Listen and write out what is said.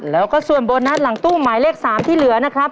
แล้วก็ส่วนโบนัสหลังตู้หมายเลข๓ที่เหลือนะครับ